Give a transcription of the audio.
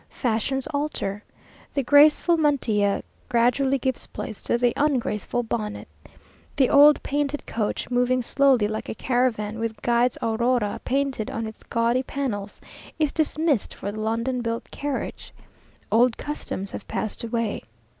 Fashions alter. The graceful mantilla gradually gives place to the ungraceful bonnet. The old painted coach, moving slowly like a caravan, with Guide's Aurora painted on its gaudy panels, is dismissed for the London built carriage. Old customs have passed away.